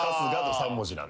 ３文字なんで。